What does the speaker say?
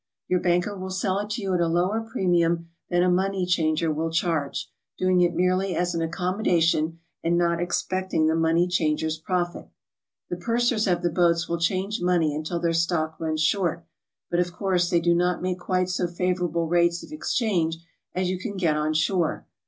Your banker will sell it to you at a lower premium than a money changer will charge, doing it merely as an accommodation and not expecting the money changer's profit. The pursers o>f the boats will change money until their stock runs short, but of course they do not make quite so favorable rates of exchange as you can get on shore.